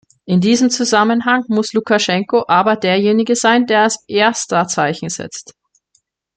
In diesem Zusammenhang muss Lukaschenko aber derjenige sein, der als erster Zeichen setzt.